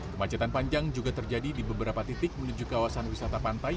kemacetan panjang juga terjadi di beberapa titik menuju kawasan wisata pantai